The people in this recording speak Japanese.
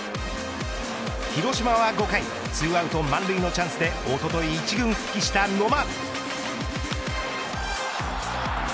広島は５回２アウト満塁のチャンスでおととい一軍復帰した野間。